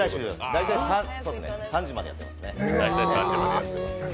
大体３時までやっていますね。